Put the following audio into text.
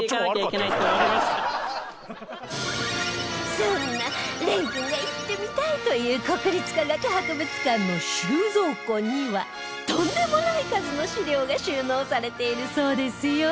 そんな蓮君が行ってみたいという国立科学博物館の収蔵庫にはとんでもない数の資料が収納されているそうですよ